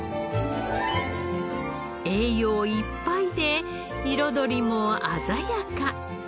栄養いっぱいで彩りも鮮やか。